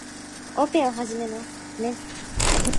オペを始めます。メス